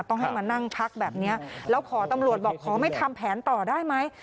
ต้องให้มานั่งพักแบบนี้แล้วขอตำรวจบอกขอไม่ทำแผนต่อได้ไหม